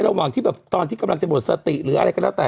ระหว่างที่ตอนกำลังจะบ่สติอะไรก็